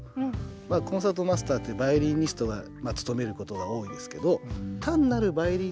コンサートマスターってバイオリニストが務めることが多いですけど